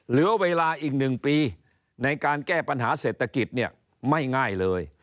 เหลือเวลาอีก๑ปีในการแก้ปัญหาเศรษฐกิจเนี่ยไม่ง่ายเลย